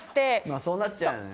まあそうなっちゃうよね。